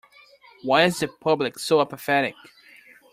Why is the public so apathetic?